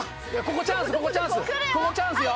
ここチャンスよ」